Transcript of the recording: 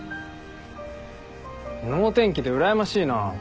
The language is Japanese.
能天気でうらやましいな。